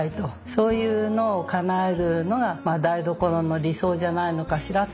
そういうのをかなえるのが台所の理想じゃないのかしらと。